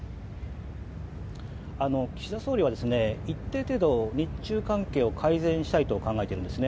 岸田総理は一定程度、日中関係を改善したいと考えているんですね。